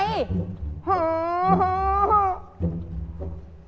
หึง